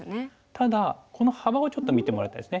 ただこの幅をちょっと見てもらいたいですね。